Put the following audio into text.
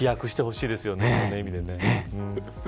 いろんな意味でね。